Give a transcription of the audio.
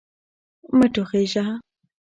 مه ټوخیژه